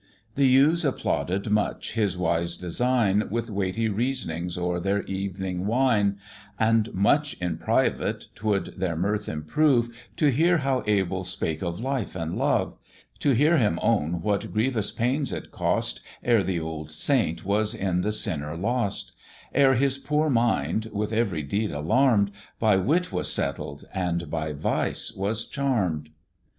The youths applauded much his wise design, With weighty reasoning o'er their evening wine; And much in private 'twould their mirth improve, To hear how Abel spake of life and love; To hear him own what grievous pains it cost, Ere the old saint was in the sinner lost, Ere his poor mind, with every deed alarm'd, By wit was settled, and by vice was charm'd.